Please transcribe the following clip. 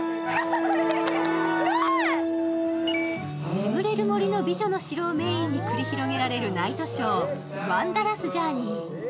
眠れる森の美女の城をメインに繰り広げられるナイトショー、ワンダラス・ジャーニー。